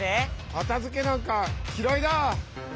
かたづけなんかきらいだ！